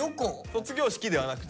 卒業式ではなくて？